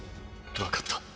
分かった。